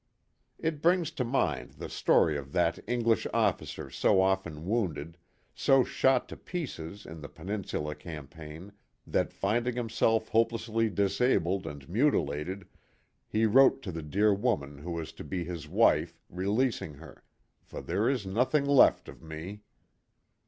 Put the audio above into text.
It brings to mind the story of that English officer so often wounded, so shot to pieces in the peninsula campaign, that finding himself hopelessly disabled and mutilated he wrote to the dear woman who was to be his wife releas ing her "for there is nothing left of me."